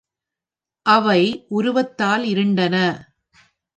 அவை உருவத்தால் இருண்டன.